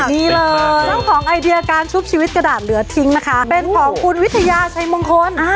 นี่เลยเจ้าของไอเดียการชุบชีวิตกระดาษเหลือทิ้งนะคะเป็นของคุณวิทยาชัยมงคล